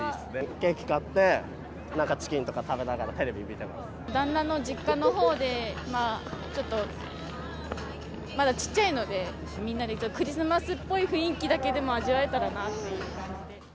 ケーキ買って、チキンとか食旦那の実家のほうで、ちょっと、まだちっちゃいので、みんなでクリスマスっぽい雰囲気だけでも味わえたらなっていう感